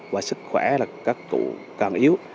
và sức khỏe là các cụ càng yếu